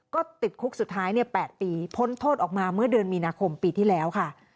ก็ติดคุกสุดท้าย๘ปีพ้นโทษออกมาเมื่อเดือนมีนาคมปีที่แล้วค่ะ